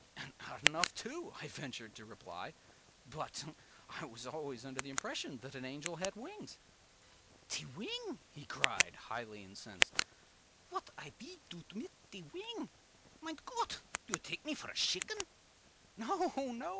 ” “And odd enough, too,” I ventured to reply; “but I was always under the impression that an angel had wings.” “Te wing!” he cried, highly incensed, “vat I pe do mit te wing? Mein Gott! do you take me vor a shicken?” “No—oh no!